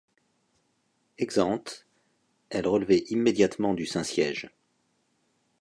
Exempte, elle relevait immédiatement du Saint-Siège.